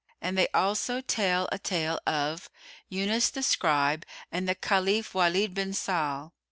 And they also tell a tale of YUNUS THE SCRIBE AND THE CALIPH WALID BIN SAHL.